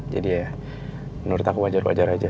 jadi ya menurut aku wajar wajar aja